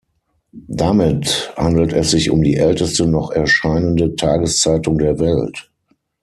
Damit handelt es sich um die älteste noch erscheinende Tageszeitung der Welt.